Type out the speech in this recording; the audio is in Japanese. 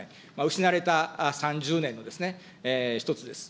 失われた３０年の一つです。